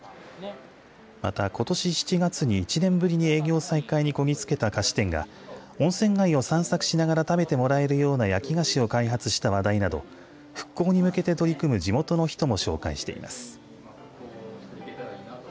また、ことし７月に１年ぶりに営業再開にこぎつけた菓子店が温泉街を散策しながら食べてもらえるような焼き菓子を開発した話題など復興に向けて取り組む地元の人も紹介しています。